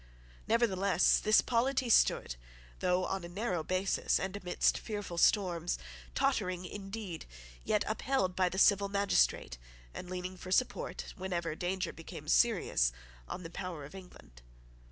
Nevertheless this polity stood, though on a narrow basis and amidst fearful storms, tottering indeed, yet upheld by the civil magistrate, and leaning for support, whenever danger became serious, on the power of England.